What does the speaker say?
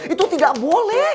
itu tidak boleh